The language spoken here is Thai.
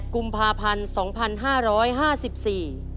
๘กุมภาพันธุ์๒๕๕๔